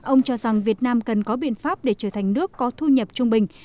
ông cho rằng việt nam cần có biện pháp để trở thành nước có thu nhập trung bình